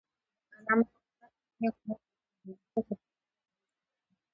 د علامه رشاد لیکنی هنر مهم دی ځکه چې پایدار دریځ لري.